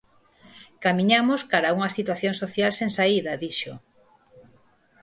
"Camiñamos cara a unha situación social sen saída", dixo.